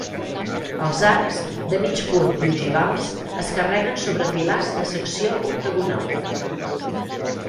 Els arcs, de mig punt i ogivals, es carreguen sobre pilars de secció octagonal.